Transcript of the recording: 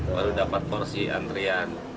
baru dapat porsi antrian